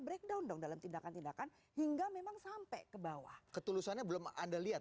breakdown dong dalam tindakan tindakan hingga memang sampai ke bawah ketulusannya belum anda lihat